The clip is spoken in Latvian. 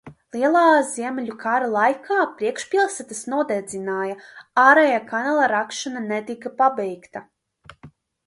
Lielā Ziemeļu kara laikā priekšpilsētas nodedzināja, ārējā kanāla rakšana netika pabeigta.